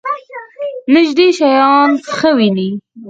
نږدې شیان ښه وینئ؟